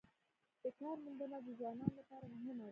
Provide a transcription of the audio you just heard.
د کار موندنه د ځوانانو لپاره مهمه ده